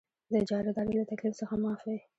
د اجاره دارۍ له تکلیف څخه معاف وي.